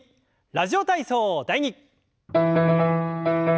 「ラジオ体操第２」。